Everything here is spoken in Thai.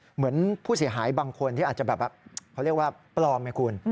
เหมือนผู้เสียหายบางคนที่อาจจะแบบเขาเรียกว่าปลอมไงคุณ